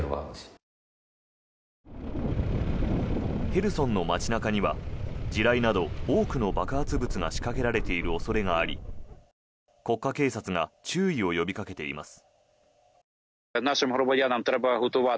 ヘルソンの街中には地雷など多くの爆発物が仕掛けられている恐れがあり国家警察が注意を呼びかけています。